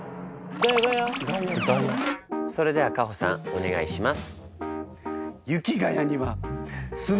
それではカホさんお願いします！